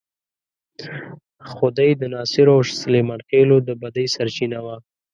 خدۍ د ناصرو او سلیمان خېلو د بدۍ سرچینه وه.